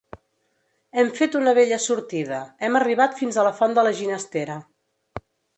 Hem fet una bella sortida: hem arribat fins a la font de la Ginestera.